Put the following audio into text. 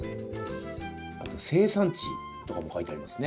あと生産地とかも書いてありますね。